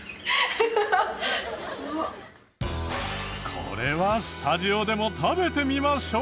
これはスタジオでも食べてみましょう。